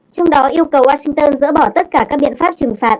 trong đó yêu cầu washington dỡ bỏ tất cả các biện pháp trừng phạt